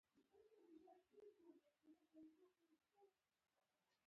زه اوس ستړی یم